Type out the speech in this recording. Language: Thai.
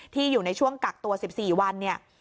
อยู่ในช่วงกักตัว๑๔วันเนี่ย